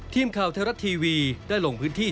ทีมข่าวไทยรัฐทีวีได้ลงพื้นที่